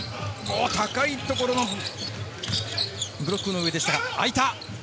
高いところ、ブロックの上でしたがあいた。